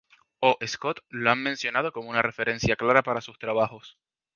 O. Scott, lo han mencionado como una referencia clara para sus trabajos.